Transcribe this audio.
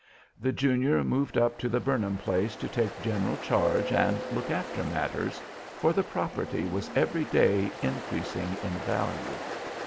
The junior moved up to the "Burnham" place to take general charge and look after matters, for the property was every day increasing in value.